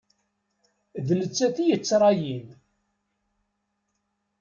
D nettat i yettṛayin.